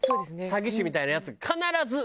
詐欺師みたいなヤツが必ず。